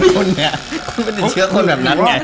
คุณไปติดเชื้อคนแบบนั้นไง